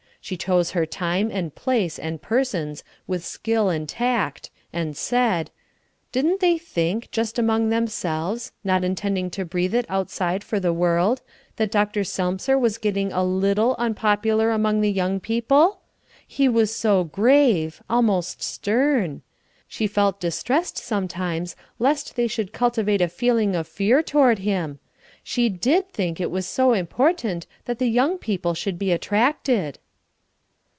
She chose her time and place and persons with skill and tact, and said, "Didn't they think, just among themselves, not intending to breathe it outside for the world, that Dr. Selmser was getting a little unpopular among the young people? He was so grave almost stern. She felt distressed sometimes lest they should cultivate a feeling of fear toward him. She did think it was so important that the young people should be attracted."